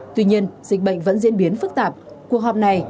tuy nhiên dịch bệnh vẫn diễn biến phức tạp